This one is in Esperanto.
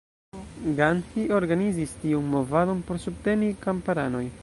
Gandhi organizis tiun movadon por subteni kamparanoj.